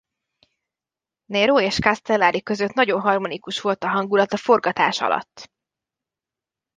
Nero és Castellari között nagyon harmonikus volt a hangulat a forgatás alatt.